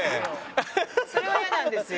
それは嫌なんですよ。